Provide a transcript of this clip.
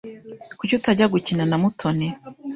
Kuki utajya gukina na Mutoni?